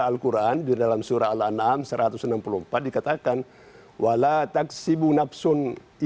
al quran di dalam surah al an'am satu ratus enam puluh empat dikatakan